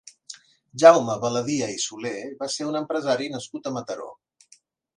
Jaume Baladia i Soler va ser un empresari nascut a Mataró.